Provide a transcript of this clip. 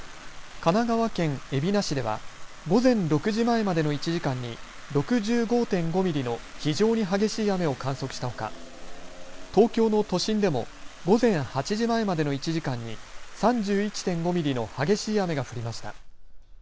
神奈川県海老名市では午前６時前までの１時間に６５．５ミリの非常に激しい雨を観測したほか東京の都心でも午前８時前までの１時間に３１．５ミリの激しい雨が降りました。